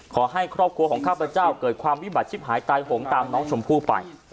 ขอให้ครอบครัวของข้าพเจ้าเกิดความวิบัติชิบหายตายหงตามน้องชมพู่ไป